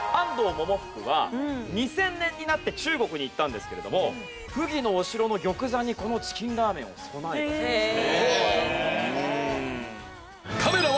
百福は２０００年になって中国に行ったんですけれども溥儀のお城の玉座にこのチキンラーメンを供えたそうですね。